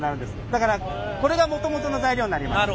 だからこれがもともとの材料になります。